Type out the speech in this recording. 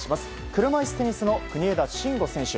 車いすテニスの国枝慎吾選手。